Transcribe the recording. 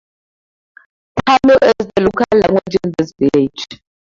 Tamil is the local language in this village.